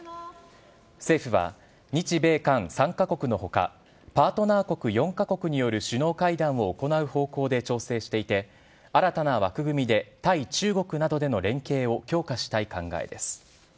政府は、日米韓３か国のほか、パートナー国４か国による首脳会談を行う方向で調整していて、新たな枠組みで対中国などでの連携を強化したい考えです。